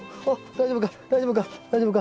大丈夫か？